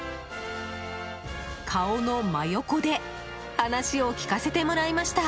顔の真横で話を聞かせてもらいました。